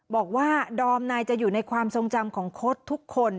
บอกว่าดอมนายจะอยู่ในความทรงจำของโค้ดทุกคน